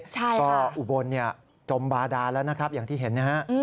ก็อุบลจมบาดานแล้วนะครับอย่างที่เห็นนะฮะ